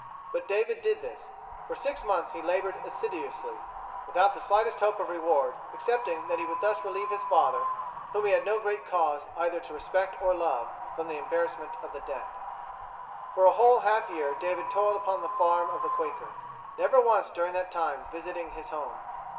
But David did this. For six months he labored assiduously, without the slightest hope of reward, excepting that he would thus relieve his father, whom he had no great cause either to respect or love, from the embarrassment of the debt. For a whole half year David toiled upon the farm of the Quaker, never once during that time visiting his home.